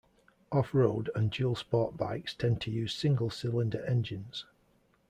Off-road and dual-sport bikes tend to use single-cylinder engines.